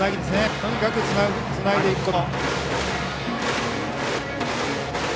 とにかくつないでいくこと。